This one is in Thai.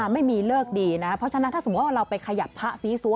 ไม่มีเลิกดีนะเพราะฉะนั้นถ้าสมมุติว่าเราไปขยับพระซีซัว